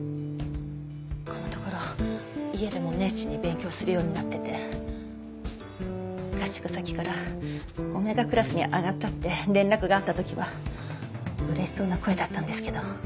このところ家でも熱心に勉強するようになってて合宿先からΩクラスに上がったって連絡があった時はうれしそうな声だったんですけど。